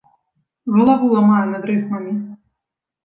Галаву ламаю над рыфмамі.